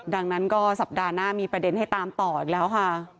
ดังนั้นก็สัปดาห์หน้ามีประเด็นให้ตามต่ออีกแล้วค่ะ